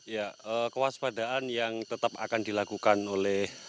ya kewaspadaan yang tetap akan dilakukan oleh